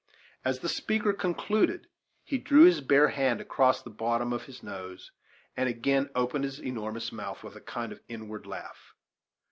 As the speaker concluded he drew his bare hand across the bottom of his nose, and again opened his enormous mouth with a kind of inward laugh.